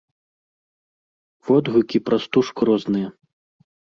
Водгукі пра стужку розныя.